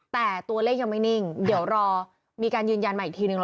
แต่ตัวเลขยังไม่นิ่งเดี๋ยวรอมีการยืนยันมาอีกทีนึง